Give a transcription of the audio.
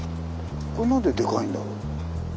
これなんでデカいんだろう？